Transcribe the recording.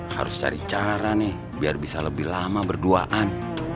harus cari cara nih biar bisa lebih lama berduaan